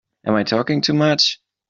Am I talking too much?